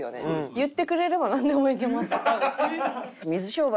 言ってくれればなんでもいけます多分。